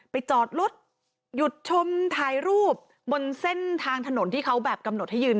จอดรถหยุดชมถ่ายรูปบนเส้นทางถนนที่เขาแบบกำหนดให้ยืน